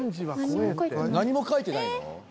何も書いてないの？